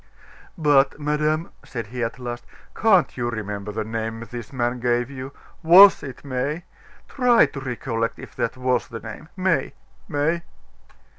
"But, madame," said he at last, "can't you remember the name this man gave you? Was it May? Try to recollect if that was the name May May!"